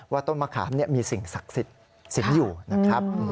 ต้นมะขามมีสิ่งศักดิ์สิทธิ์สิงห์อยู่นะครับ